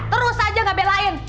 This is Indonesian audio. terus aja ngebelain